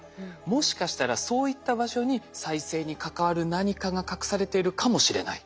もしかしたらそういった場所に再生に関わる何かが隠されているかもしれない。